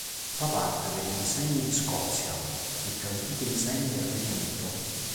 Fa parte delle insegne di Scozia, le più antiche insegne del Regno Unito.